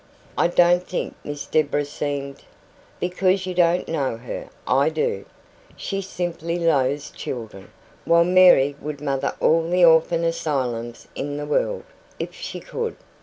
"I don't think Miss Deborah seemed " "Because you don't know her. I do. She simply loathes children, while Mary would mother all the orphan asylums in the world, if she could.